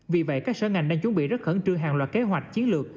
vì vậy các sở ngành đang chuẩn bị rất khẩn trương hàng loạt kế hoạch chiến lược